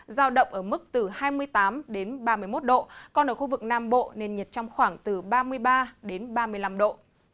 giao động ở mức từ hai mươi tám đến ba mươi một độ còn ở khu vực nam bộ nền nhiệt trong khoảng từ ba mươi ba ba mươi năm độ